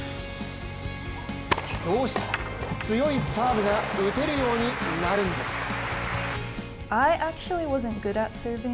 どうしたら強いサーブが打てるようになるんですか？